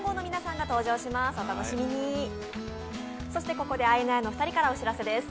ここでＩＮＩのお二人からお知らせです。